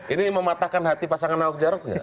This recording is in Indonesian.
ini mematahkan hati pasangan ahok jaros gak